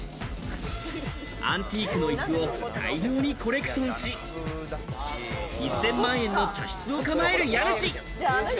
アンティークのいすを大量にコレクションし、１０００万円の茶室を構える家主。